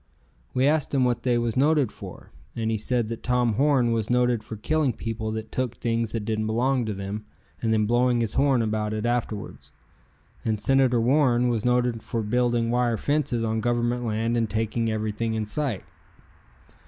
We asked him what they was noted for, and he said that Tom Horn was noted for killing people that took things that didn't belong to them and then blowing his horn about it afterwards, and Senator Warren was noted for building wire fences on government Land and taking everything in sight.